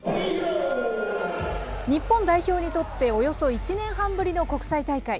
日本代表にとっておよそ１年半ぶりの国際大会。